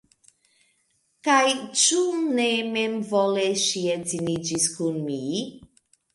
Kaj ĉu ne memvole ŝi edziniĝis kun mi?